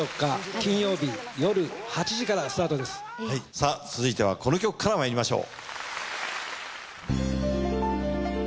さぁ続いてはこの曲からまいりましょう。